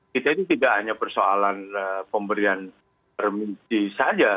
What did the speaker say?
kita ini tidak hanya persoalan pemberian permisi saja